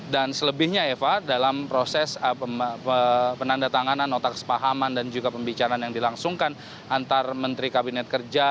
dan selebihnya eva dalam proses penanda tanganan otak sepahaman dan juga pembicaraan yang dilangsungkan antar menteri kabinet kerja